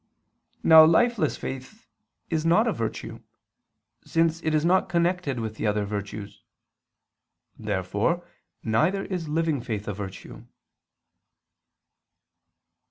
Now lifeless faith is not a virtue, since it is not connected with the other virtues. Therefore neither is living faith a virtue.